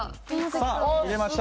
さあ入れました。